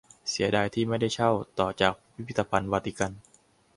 เสียดายที่ไม่ได้เช่า ต่อจากพิพิธภัณฑ์วาติกัน